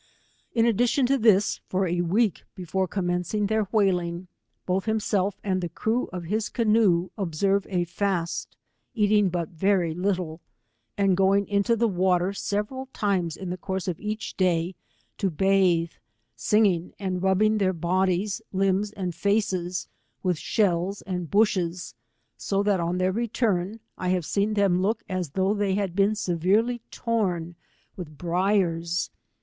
In addition to this, for a week before commencing their whaling, both himself and the crew of his canoe observe a fast, eating but very little, and going into the water several times in the course of each day (o bathe singing and rubbing their bodies, limbs and faces with shells and bushes, 80 that on their return I have see« them look as though they had been severely torn with briers.